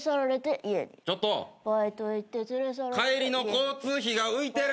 帰りの交通費が浮いてる！